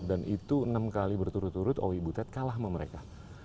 dan itu enam kali berturut turut owi butet kalah sama mereka